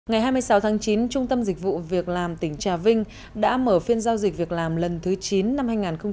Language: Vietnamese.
ngày hai mươi sáu tháng chín trung tâm dịch vụ việc làm tỉnh trà vinh đã mở phiên giao dịch việc làm lần thứ chín năm hai nghìn hai mươi